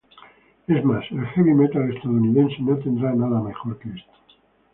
Es más, el heavy metal estadounidense no tendrá nada mejor que esto.